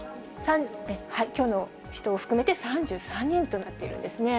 きょうの人を含めて３３人となっているんですね。